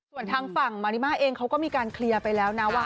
ส่วนทางฝั่งมาริมาเองเขาก็มีการเคลียร์ไปแล้วนะว่า